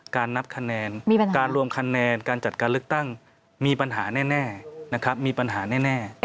นับคะแนนการรวมคะแนนการจัดการเลือกตั้งมีปัญหาแน่นะครับมีปัญหาแน่